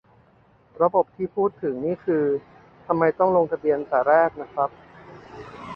"ระบบ" ที่พูดถึงนี่คือ ทำไมต้องลงทะเบียนแต่แรกน่ะครับ